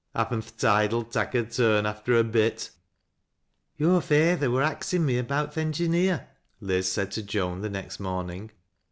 Happen th' tide'll tak' a turn after a bit." " Yore f eyther wur axin me about th' engineer," Liz Baid to Joan the next morning.